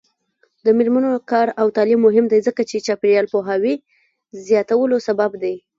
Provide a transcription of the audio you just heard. د میرمنو کار او تعلیم مهم دی ځکه چې چاپیریال پوهاوي زیاتولو سبب دی.